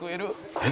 えっ？